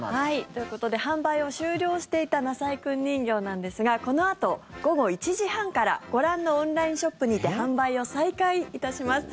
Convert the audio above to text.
ということで販売を終了していたなさいくん人形なんですがこのあと午後１時半からご覧のオンラインショップにて販売を再開いたします。